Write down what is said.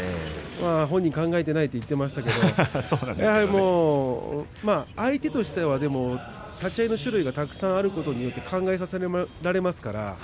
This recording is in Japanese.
本人、考えてないと言っていましたけれど相手としては立ち合いの種類がたくさんあることによって考えさせられますから。